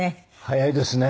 早いですね。